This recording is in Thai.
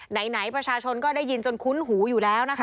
ไหนประชาชนก็ได้ยินจนคุ้นหูอยู่แล้วนะคะ